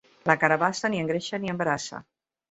La carabassa ni engreixa ni embarassa.